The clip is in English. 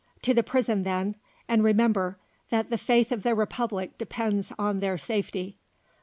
"To the Prison then, and remember that the faith of the Republic depends on their safety.